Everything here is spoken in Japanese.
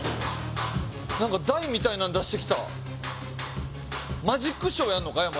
何か台みたいなん出してきたマジックショーやんのか？